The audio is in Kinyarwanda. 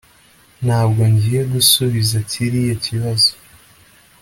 Ntabwo ngiye gusubiza kiriya kibazo